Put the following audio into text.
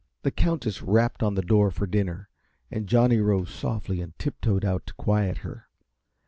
The Countess rapped on the door for dinner, and Johnny rose softly and tiptoed out to quiet her.